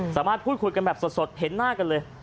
สามารถพูดคุยกันแบบสดเห็นหน้ากันเลย